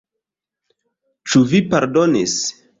Ĉu vi pardonis?